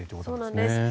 そうなんです。